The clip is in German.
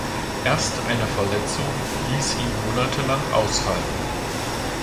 Erst eine Verletzung ließ ihn monatelang ausfallen.